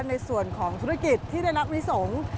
ในส่วนของธุรกิจที่ได้นักวิสงฆ์